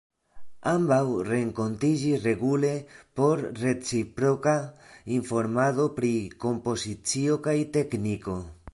Ambaŭ renkontiĝis regule por reciproka informado pri kompozicio kaj tekniko.